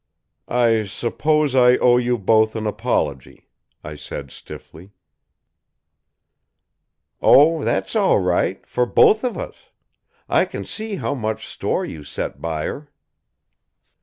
"I suppose I owe you both an apology," I said stiffly. "Oh, that's all right for both of us! I can see how much store you set by her."